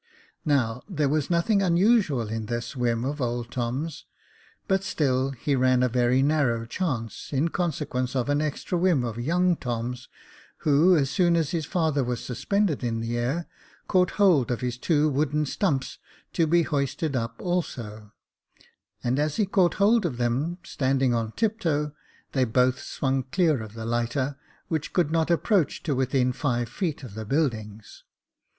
Now, there was nothing unusual in this whim of old Tom's, but still he ran a very narrow chance, in consequence of an extra whim of young Tom's, who, as soon as his father was suspended in the air, caught hold of his two wooden stumps, to be hoisted up also ; and as he caught hold of them, standing on tiptoe, they both swung clear of the lighter, which could not approach to within five feet of the buildings.